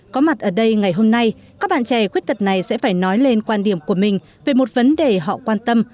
có mặt ở đây ngày hôm nay các bạn trẻ khuyết tật này sẽ phải nói lên quan điểm của mình về một vấn đề họ quan tâm